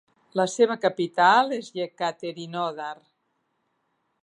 La seva capital és Yekaterinodar.